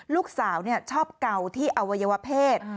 ลูกสาวชอบเก่าที่อวัยวเพศ